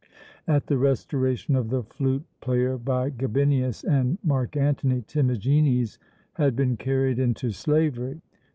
At the restoration of the flute player by Gabinius and Mark Antony, Timagenes had been carried into slavery.